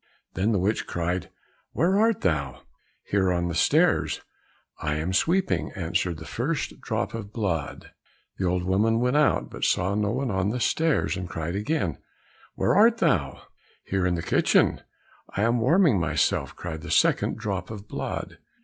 Then the witch cried, "Where art thou?" "Here, on the stairs, I am sweeping," answered the first drop of blood. The old woman went out, but saw no one on the stairs, and cried again, "Where art thou?" "Here in the kitchen, I am warming myself," cried the second drop of blood.